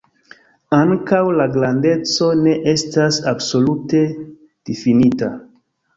Ankaŭ la grandeco ne estas absolute difinita.